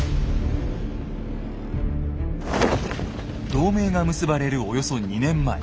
同盟が結ばれるおよそ２年前。